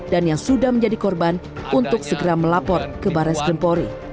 dan yang sudah menjadi korban untuk segera melapor ke barat skrimpori